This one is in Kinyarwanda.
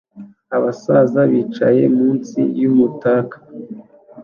Abasaza bicaye munsi yumutaka